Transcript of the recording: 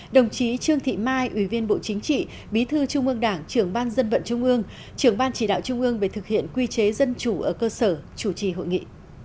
đồng chí trương thị mai ủy viên bộ chính trị bí thư trung ương đảng trưởng ban dân vận trung ương trưởng ban chỉ đạo trung ương về thực hiện quy chế dân chủ ở cơ sở chủ trì hội nghị